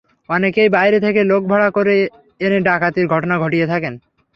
অনেকেই বাইরে থেকে লোক ভাড়া করে এনে ডাকাতির ঘটনা ঘটিয়ে থাকেন।